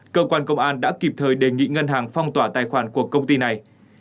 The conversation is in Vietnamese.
cơ quan công an đã kịp thời đề nghị ngân hàng phong tỏa tài khoản của công ty này